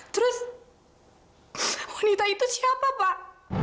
terus wanita itu siapa pak